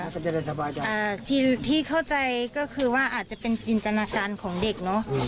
ขอโทษค่ะเพราะว่าที่เข้าใจก็คือว่าอาจจะเป็นจินตนาการของเด็กเนอะ